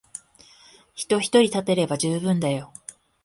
人ひとり立てれば充分だよ。